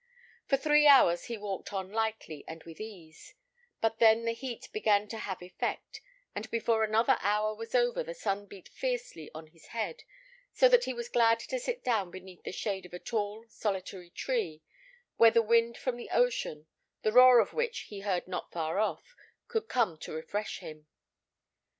For three hours he walked on lightly and with ease; but then the heat began to have effect, and before another hour was over the sun beat fiercely on his head, so that he was glad to sit down beneath the shade of a tall, solitary tree, where the wind from the ocean, the roar of which he heard not far off, could come to refresh him.